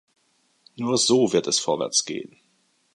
Nur so wird es vorwärts gehen.